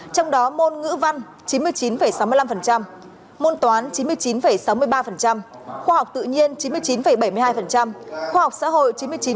trong đó môn ngữ văn chín mươi chín sáu mươi năm môn toán chín mươi chín sáu mươi ba khoa học tự nhiên chín mươi chín bảy mươi hai khoa học xã hội chín mươi chín chín